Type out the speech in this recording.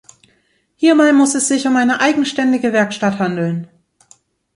Hierbei muss es sich um eine eigenständige Werkstatt handeln.